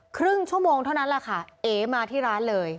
ครึ่งชั่วโมงเท่านั้นแหละค่ะเอ๋มาที่ร้านเลย